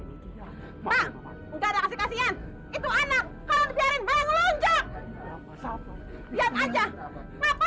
sekarang mau pergi bawa para musuhmu